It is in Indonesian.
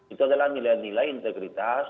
itu adalah nilai nilai integritas